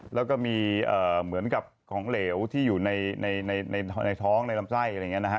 แล้วก็มีเหมือนกับของเหลวที่อยู่ในท้องในลำไส้อะไรอย่างนี้นะฮะ